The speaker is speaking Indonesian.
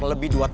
oh eh surti